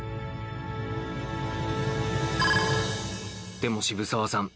でも渋沢さん